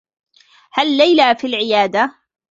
هل ليلى في العيادة؟